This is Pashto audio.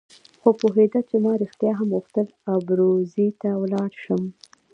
خو پوهېده چې ما رښتیا هم غوښتل ابروزي ته ولاړ شم.